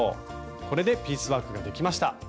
これでピースワークができました。